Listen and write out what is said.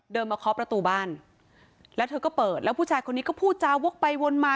มาเคาะประตูบ้านแล้วเธอก็เปิดแล้วผู้ชายคนนี้ก็พูดจาวกไปวนมา